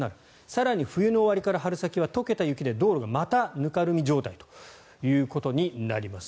更に冬の終わりから春先は解けた雪で道路がまたぬかるみ状態になります。